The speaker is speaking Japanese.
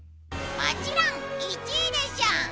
もちろん１位でしょ！